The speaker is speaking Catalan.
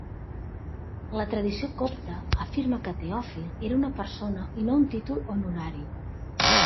La tradició copta afirma que Teòfil era una persona i no un títol honorari.